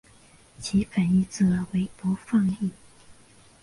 其反义字为不放逸。